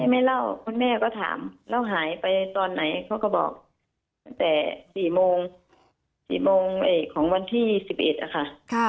ไม่เล่าคุณแม่ก็ถามแล้วหายไปตอนไหนเขาก็บอกตั้งแต่๔โมง๔โมงของวันที่๑๑อะค่ะ